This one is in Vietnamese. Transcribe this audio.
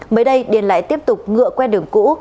mới đây điền lại tiếp tục ngựa quen đường cũ